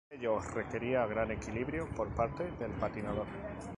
Ello requería un gran equilibrio por parte del patinador.